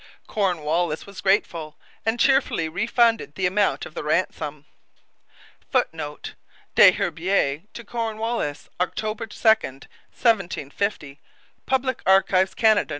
Cornwallis was grateful, and cheerfully refunded the amount of the ransom. [Footnote: Des Herbiers to Cornwallis, October 2, 1750. Public Archives, Canada.